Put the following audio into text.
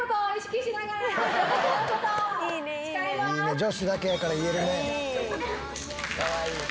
女子だけやから言えるね。